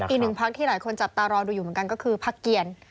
อีกหนึ่งพักที่หลายคนจับตารอดูอยู่เหมือนกันก็คือพักเกียร